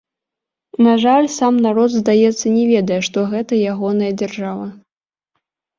На жаль, сам народ, здаецца, не ведае, што гэта ягоная дзяржава.